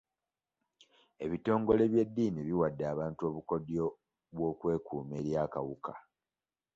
Ebitongole by'eddini biwadde abantu obukodyo bw'okwekuuma eri akawuka.